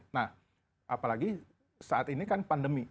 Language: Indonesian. nah apalagi saat ini kan pandemi